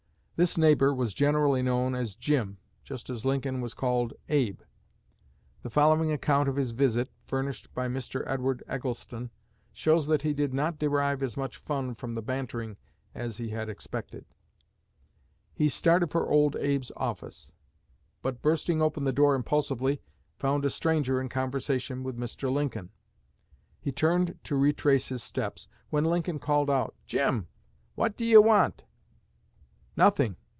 This neighbor was generally known as "Jim," just as Lincoln was called "Abe." The following account of his visit, furnished by Mr. Edward Eggleston, shows that he did not derive as much fun from the "bantering" as he had expected: "He started for 'Old Abe's' office; but bursting open the door impulsively, found a stranger in conversation with Mr. Lincoln. He turned to retrace his steps, when Lincoln called out, 'Jim! What do you want?' 'Nothing.'